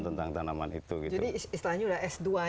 tentang tanaman itu jadi istilahnya sudah